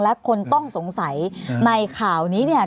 และคนต้องสงสัยในข่าวนี้เนี่ย